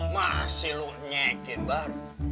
masih lo nyekin bar